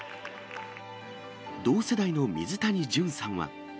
同世代の水谷隼さんは。